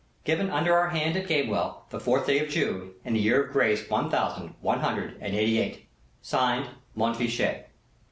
"Given under our hand at Gamewell, the 4th day of June, in the year of grace one thousand one hundred and eighty eight. "(Signed) MONTFICHET."